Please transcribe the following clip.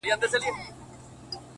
o يو ليك،